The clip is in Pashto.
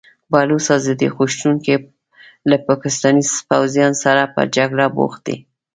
بلوڅ ازادي غوښتونکي له پاکستاني پوځیانو سره په جګړه بوخت دي.